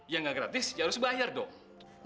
yang enggak gratis harus dibayar dong